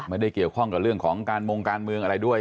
ไม่ได้เกี่ยวข้องกับเรื่องของการมงการเมืองอะไรด้วย